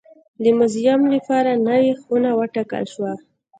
د موزیم لپاره نوې خونه وټاکل شوه.